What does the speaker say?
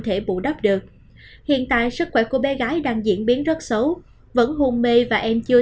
thể bù đắp được hiện tại sức khỏe của bé gái đang diễn biến rất xấu vẫn hôn mê và em chưa